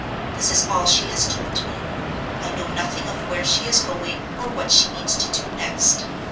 This is all she has told me—I know nothing of where she is going, or what she means to do next.